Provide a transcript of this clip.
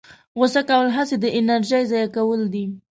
غوسه کول هسې د انرژۍ ضایع کول دي.